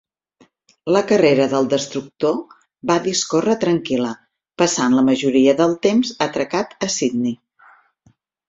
La carrera del destructor va discórrer tranquil·la, passant la majoria del temps atracat a Sydney.